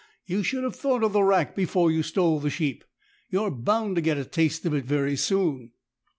You should have thought of the rack before you stole the sheep. You are bound to get a taste of it very soon."